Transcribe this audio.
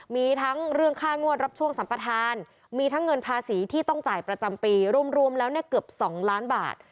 มีทั้งเรื่องค่างวดรับช่วงสัมปทานมีทั้งเงินภาษีที่ต้องจ่ายประจำปีรวมแล้วเนี่ยเกือบ๒ล้านบาท